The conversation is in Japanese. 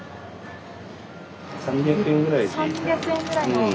３００円くらいの。